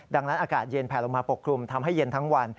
ดังนั้นอากาศเย็นแผลลงมาปกคลุมทำให้เย็นทั้งวัน